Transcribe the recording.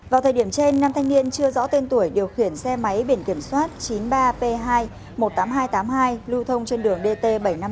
vào thời điểm trên năm thanh niên chưa rõ tên tuổi điều khiển xe máy biển kiểm soát chín mươi ba p hai một mươi tám nghìn hai trăm tám mươi hai lưu thông trên đường dt bảy trăm năm mươi bốn